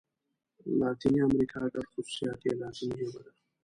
لاتیني امريکا ګډ خوصوصیات یې لاتيني ژبه ده.